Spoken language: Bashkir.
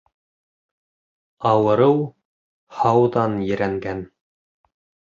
Ауырыу һауҙан ерәнгән.